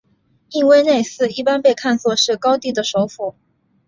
印威内斯一般被看作是高地的首府。